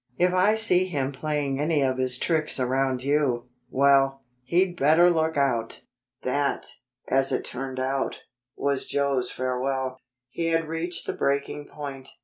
If I see him playing any of his tricks around you well, he'd better look out!" That, as it turned out, was Joe's farewell. He had reached the breaking point.